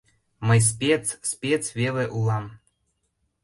Мый «спец», «спец» веле улам...